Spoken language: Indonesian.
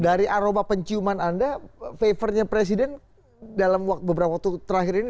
dari aroma penciuman anda favornya presiden dalam beberapa waktu terakhir ini